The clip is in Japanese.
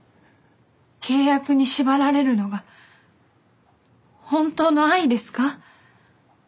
契約に縛られるのが本当の愛ですか？